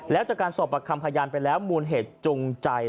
แล้วจากการสอบประคำพยานไปแล้วมูลเหตุจงใจ